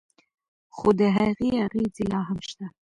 خو د هغې اغیزې لا هم شته.